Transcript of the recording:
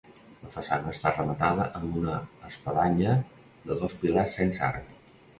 La façana està rematada amb una espadanya de dos pilars sense arc.